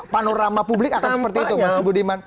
panorama publik akan seperti itu mas budiman